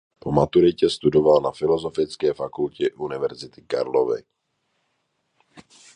Po maturitě studoval na filosofické fakultě Univerzity Karlovy.